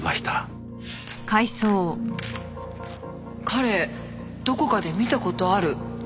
彼どこかで見た事ある。